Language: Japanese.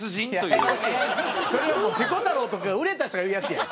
それはピコ太郎とか売れた人が言うやつや。